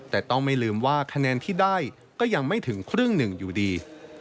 แต่ต้องไม่ลืมว่าคะแนนที่ได้ก็ยังไม่ถึงครึ่งหนึ่งอยู่ดี